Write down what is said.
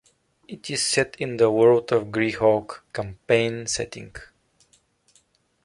It is set in the "World of Greyhawk" campaign setting.